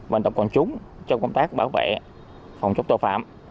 và độc quản chúng trong công tác bảo vệ phòng chống tội phạm